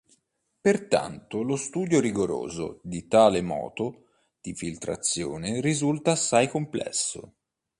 Pertanto lo studio rigoroso di tale moto di filtrazione risulta assai complesso.